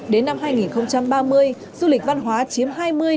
đến năm hai nghìn ba mươi du lịch văn hóa chiếm hai mươi hai mươi năm